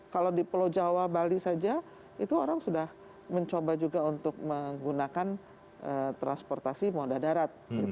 kalau di pulau jawa bali saja itu orang sudah mencoba juga untuk menggunakan transportasi moda darat